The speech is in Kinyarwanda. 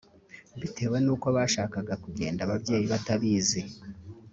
Bitewe n’uko bashakaga kugenda ababyeyi batabizi